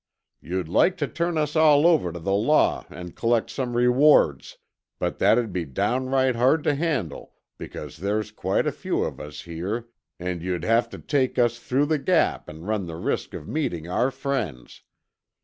You'd like to turn us all over to the law and collect some rewards, but that'd be downright hard to handle because there's quite a few of us here and you'd have to take us through the Gap and run the risk of meeting our friends.